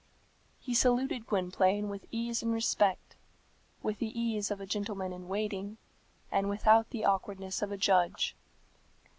He saluted Gwynplaine with ease and respect with the ease of a gentleman in waiting, and without the awkwardness of a judge.